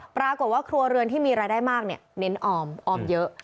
ปรากฏว่าครัวเรือนที่มีรายได้มากเน้นออมออมเยอะ